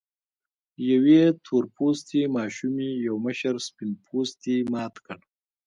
يوې تور پوستې ماشومې يو مشر سپين پوستي مات کړ.